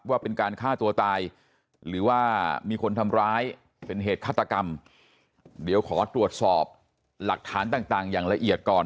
ว่าเป็นการฆ่าตัวตายหรือว่ามีคนทำร้ายเป็นเหตุฆาตกรรมเดี๋ยวขอตรวจสอบหลักฐานต่างอย่างละเอียดก่อน